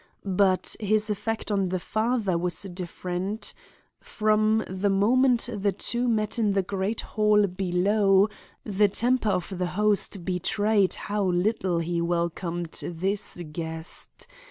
But his effect on the father was different. From the moment the two met in the great hall below, the temper of the host betrayed how little he welcomed this guest.